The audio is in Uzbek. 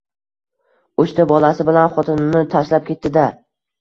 Uchta bolasi bilan xotinini tashlab ketti-da